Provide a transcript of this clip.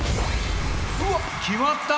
うわっ決まった！